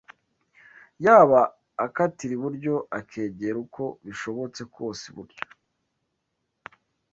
yaba akatira iburyo akegera uko bishobotse kose iburyo